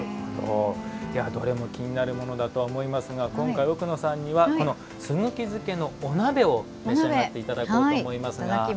どれも気になるものだとは思いますが今回、奥野さんにはすぐき漬けのお鍋を召し上がっていただこうと思います。